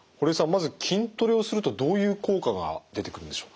まず筋トレをするとどういう効果が出てくるんでしょう？